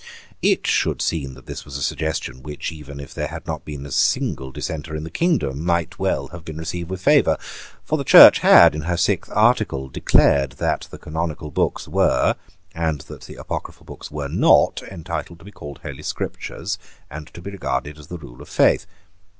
It should seem that this was a suggestion which, even if there had not been a single dissenter in the kingdom, might well have been received with favour. For the Church had, in her sixth Article, declared that the canonical books were, and that the Apocryphal books were not, entitled to be called Holy Scriptures, and to be regarded as the rule of faith.